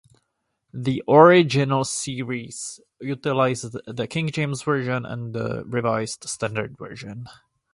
The original series utilized the King James Version and the Revised Standard Version.